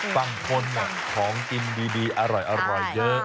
บางคนของกินดีอร่อยเยอะ